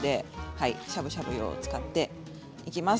しゃぶしゃぶ用を使っていきます。